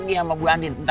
bu andin saja masih belajar